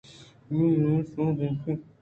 بلئے نوں منی سر اہوش کُتگ